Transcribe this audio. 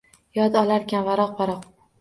Yod olarkan varoq-varoq